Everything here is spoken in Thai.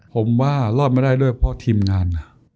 ผมว่ารอดมาได้ด้วยเพราะทีมงาน